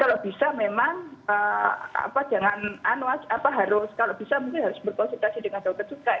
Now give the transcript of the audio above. kalau bisa mungkin harus berkonsultasi dengan dokter juga